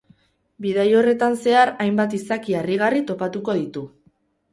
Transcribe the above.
Bidai horretan zehar hainbat izaki harrigarri topatuko ditu.